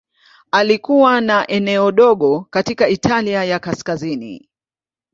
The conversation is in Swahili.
Alikuwa na eneo dogo katika Italia ya Kaskazini.